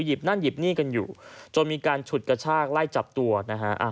นั่นหยิบนี่กันอยู่จนมีการฉุดกระชากไล่จับตัวนะฮะ